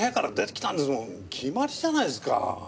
決まりじゃないですか。